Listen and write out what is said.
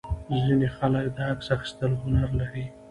ځینې خلک د عکس اخیستلو هنر لري.